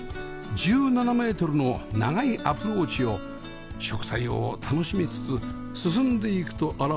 １７メートルの長いアプローチを植栽を楽しみつつ進んでいくと現れる建物